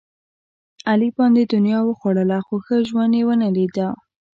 علي باندې دنیا وخوړله، خو ښه ژوند یې ونه لیدا.